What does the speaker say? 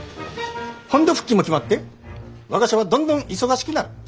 本土復帰も決まって我が社はどんどん忙しくなる。